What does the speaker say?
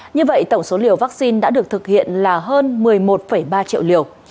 như vậy tổng số liều vaccine đã được thực hiện là hơn một mươi một ba triệu liều